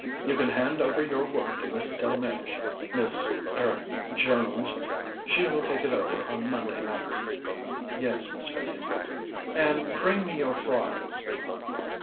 "You can hand over your work to Miss Delmege, Miss er Jones. She will take it over on Monday next." "Yes, Miss Vivian." "And bring me your files."